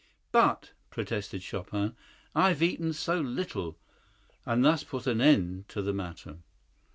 "But," protested Chopin, "I have eaten so little!" and thus put an end to the matter.